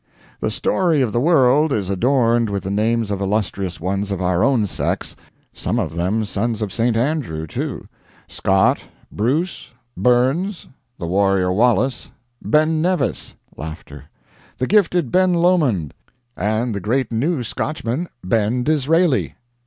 ] The story of the world is adorned with the names of illustrious ones of our own sex some of them sons of St. Andrew, too Scott, Bruce, Burns, the warrior Wallace, Ben Nevis the gifted Ben Lomond, and the great new Scotchman, Ben Disraeli.